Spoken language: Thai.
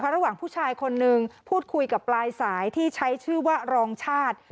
ระหว่างผู้ชายคนนึงพูดคุยกับปลายสายที่ใช้ชื่อว่ารองชาติ